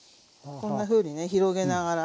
こんなふうにね広げながら。